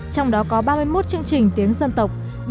trong đó có ba mươi một chương trình tiếng dân tộc